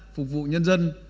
phục vụ nhân dân